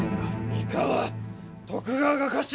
三河徳川が家臣！